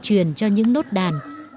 mẹ truyền cho những nốt đàn